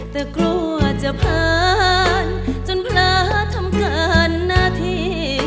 แต่กลัวจะผ่านจนพระทำเกินหน้าที่